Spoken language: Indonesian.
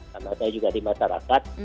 karena saya juga di masyarakat